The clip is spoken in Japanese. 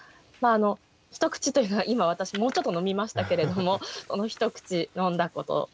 まああの「一口」というのは今私もうちょっと飲みましたけれどもその一口飲んだこと。